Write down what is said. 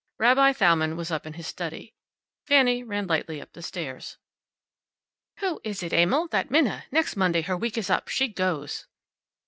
Rabbi Thalmann was up in his study. Fanny ran lightly up the stairs. "Who is it, Emil? That Minna! Next Monday her week is up. She goes."